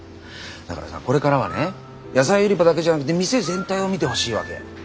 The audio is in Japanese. だからさこれからはね野菜売り場だけじゃなくて店全体を見てほしいわけ。